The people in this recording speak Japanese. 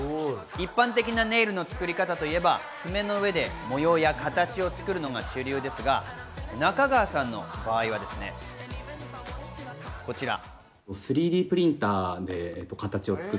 一般的なネイルの作り方といえば爪の上で模様や形を作るのが主流ですが、中川さんの場合はこちら。